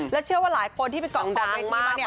แล้วเชื่อว่าหลายคนที่ไปเกาะขอบเวทีมาเนี่ย